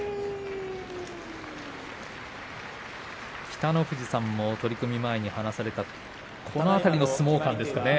北の富士さんも取組前に話されていましたけども相撲勘ですね。